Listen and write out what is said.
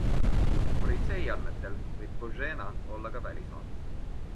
Politsei andmetel võib Božena olla ka välismaal.